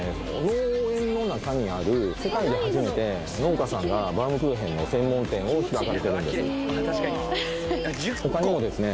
農園の中にある世界で初めて農家さんがバウムクーヘンの専門店を開かれてるんです他にもですね